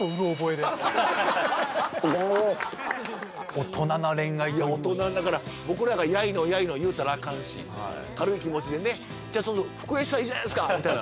大人だから僕らがやいのやいの言うたらあかんし軽い気持ちでねじゃ復縁したらいいじゃないっすかみたいな